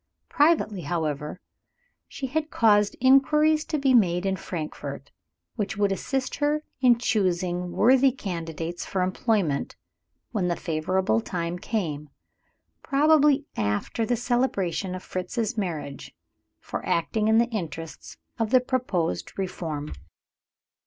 Privately, however, she had caused inquiries to be made in Frankfort, which would assist her in choosing worthy candidates for employment, when the favorable time came probably after the celebration of Fritz's marriage for acting in the interests of the proposed reform.